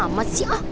amat sih ah